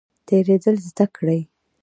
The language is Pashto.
تیریدل زده کړئ